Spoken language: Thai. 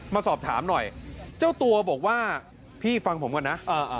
มาสอบถามหน่อยเจ้าตัวบอกว่าพี่ฟังผมก่อนนะ